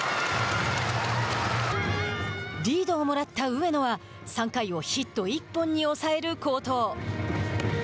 リードをもらった上野は３回をヒット１本に抑える好投。